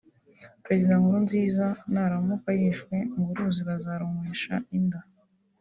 Perezida Nkurunziza naramuka yishwe ngo ‘uruzi bazarunywesha inda’